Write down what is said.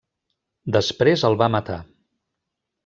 Després el va matar.